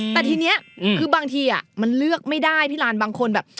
แต่ทีนี้คือบางทีมันเลือกไม่ได้พี่ลานบางคนแบบ